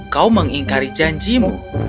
kau mengingkari janjimu